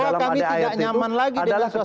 bahwa kami tidak nyaman lagi di dasar sana sekarang